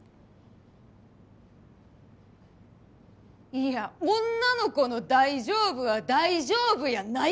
いや女の子の「大丈夫」は大丈夫やないから！